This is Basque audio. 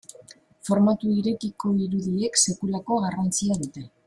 Formatu irekiko irudiek sekulako garrantzia dute.